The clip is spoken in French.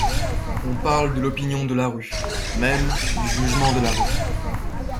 On parle de l’opinion de la rue, même du jugement de la rue.